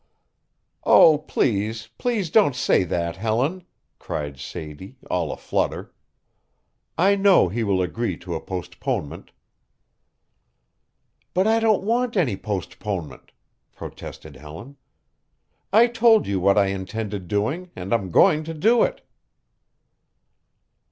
"Oh, please, please don't say that, Helen," cried Sadie, all a flutter. "I know he will agree to a postponement." "But I don't want any postponement," protested Helen. "I told you what I intended doing and I'm going to do it."